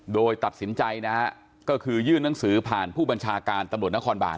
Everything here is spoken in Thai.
โดยตัดสินใจนะฮะก็คือยื่นหนังสือผ่านผู้บัญชาการตำรวจนครบาน